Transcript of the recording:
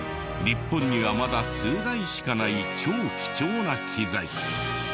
日本にはまだ数台しかない超貴重な機材。